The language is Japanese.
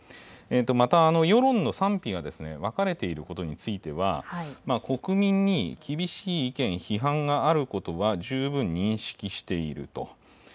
また、世論の賛否が分かれていることについては、国民に厳しい意見、批判があることは十分認識していると。